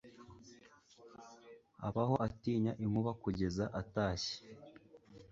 Abaho atinya inkuba kugeza atashye